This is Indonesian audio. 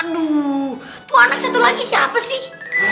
aduh tuh anak satu lagi siapa sih